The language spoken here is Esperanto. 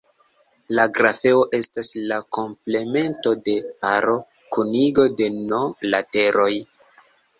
La grafeo estas la komplemento de paro-kunigo de "n" lateroj.